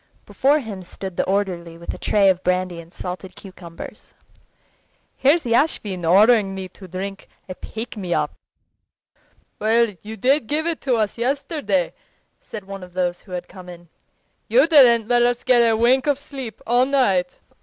Before him stood the orderly with a tray of brandy and salted cucumbers. "Here's Yashvin ordering me to drink a pick me up." "Well, you did give it to us yesterday," said one of those who had come in; "you didn't let us get a wink of sleep all night."